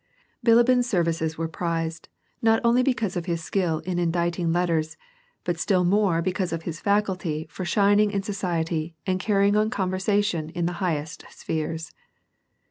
Bilibin's services were prized, not only because of his skill in inditing letters, but still more because of his faculty for shin ing in society and carrying on conversation in the highest spheres.